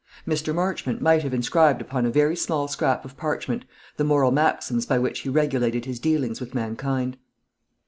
Mr. Marchmont might have inscribed upon a very small scrap of parchment the moral maxims by which he regulated his dealings with mankind.